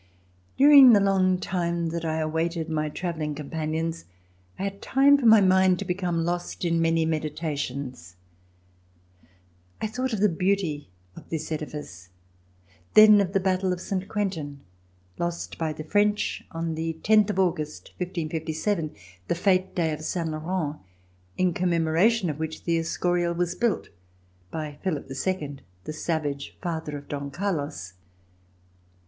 During the long time that I awaited my travelling companions, I had time for my mind to become lost in many meditations. I thought of the beauty of this edifice, then of the battle of Saint Quentin, lost by the French, on the tenth of August, 1557, the fete day of Saint Laurent, in commemoration of which the Escurial was built by Philip II, the savage father of Don Carlos.